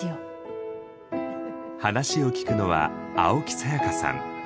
話を聞くのは青木さやかさん。